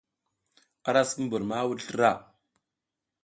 A ra sipi mbur ma wuɗ slra.